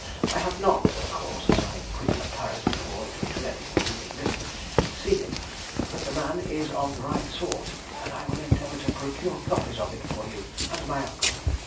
I have not (of course, as I quitted Paris before it was read, or even written) seen it, but the man is of the right sort, and I will endeavour to procure copies of it for you and my uncle.